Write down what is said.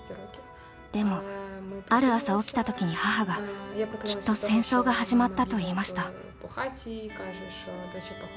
でもある朝起きたときに、母が、きっと戦争が始まったと言いました。